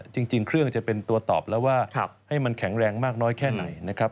จริงเครื่องจะเป็นตัวตอบแล้วว่าให้มันแข็งแรงมากน้อยแค่ไหนนะครับ